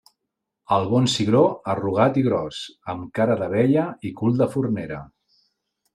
El bon cigró, arrugat i gros, amb cara de vella i cul de fornera.